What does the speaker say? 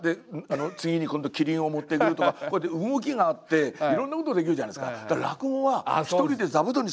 次に今度はキリンを持ってくるとこうやって動きがあっていろんなことできるじゃないですか。